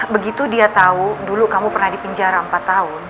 begitu dia tahu dulu kamu pernah dipenjara empat tahun